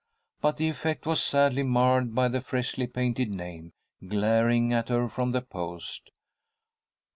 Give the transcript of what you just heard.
But the effect was sadly marred by the freshly painted name, glaring at her from the post.